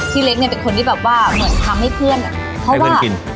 เล็กเนี่ยเป็นคนที่แบบว่าเหมือนทำให้เพื่อนอ่ะเพราะว่า